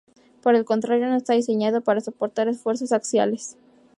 Por el contrario no está diseñado para soportar esfuerzos axiales.